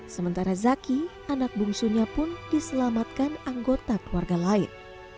sementara zaki anak bungsunya pun diselamatkan anggota keluarga lain